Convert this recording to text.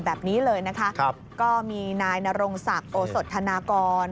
แบบนี้เลยนะคะก็มีนายนรงศักดิ์โอสดธนากร